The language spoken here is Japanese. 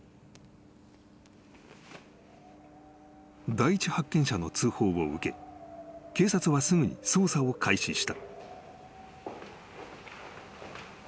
［第一発見者の通報を受け警察はすぐに捜査を開始した］